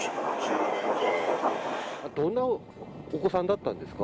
どんなお子さんだったんですか。